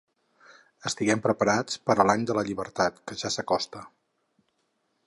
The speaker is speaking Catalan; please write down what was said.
Estiguem preparats per a l’any de la llibertat, que ja s’acosta.